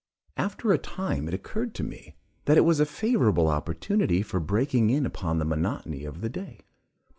After a time it occurred to me, that it was a favorable opportunity for breaking in upon the monotony of the day.